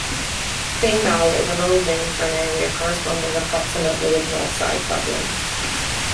Fingal is an old name for an area corresponding approximately with Northside Dublin.